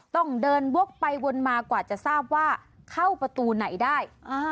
ต้องเดินวกไปวนมากว่าจะทราบว่าเข้าประตูไหนได้